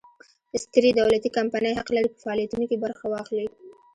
سترې دولتي کمپنۍ حق لري په فعالیتونو کې برخه واخلي.